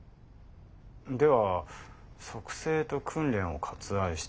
では「速成」と「訓練」を割愛して。